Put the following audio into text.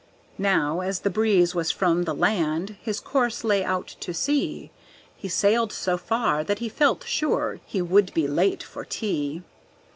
Now, as the breeze was from the land, his course lay out to sea; He sailed so far that he felt sure he would be late for tea.